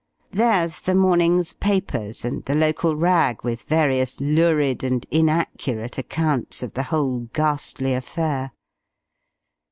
There's the morning's papers, and the local rag with various lurid and inaccurate accounts of the whole ghastly affair.